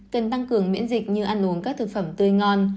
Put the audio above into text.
cần tăng cường miễn dịch như ăn uống các thực phẩm tươi ngon